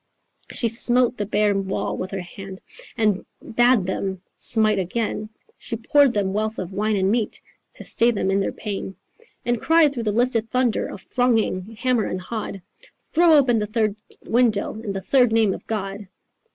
She smote the bare wall with her hand And bad them smite again; She poured them wealth of wine and meat To stay them in their pain. And cried through the lifted thunder Of thronging hammer and hod 'Throw open the third window In the third name of God.